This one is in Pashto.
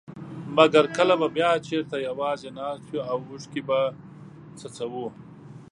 مګر کله به بيا چېرته يوازي ناست يو او اوښکي به څڅوو.